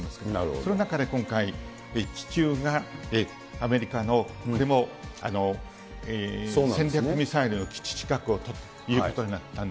その中で今回、気球がアメリカの、これも戦略ミサイルの基地近くを飛ぶということになったんで。